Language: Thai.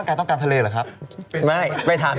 ของแม่ไทย